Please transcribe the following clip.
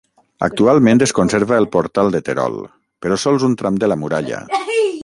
Actualment es conserva el Portal de Terol, però sols un tram de la muralla.